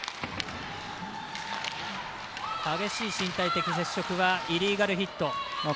激しい身体的接触はイリーガルヒット。